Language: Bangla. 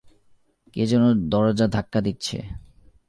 কে যেন দরজা ধাক্কা দিচ্ছে।